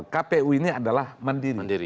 kpu ini adalah mandiri